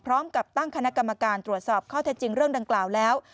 พร้อมกับตั้งคณะกรรมการตรวจสอบข้อเท็จจริงเรื่องดังกล่าวแล้ว